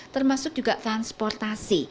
termasuk juga transportasi